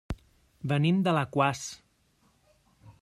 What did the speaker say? Venim d'Alaquàs.